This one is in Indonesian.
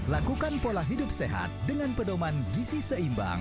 lakukan pola hidup sehat dengan pedoman gizi seimbang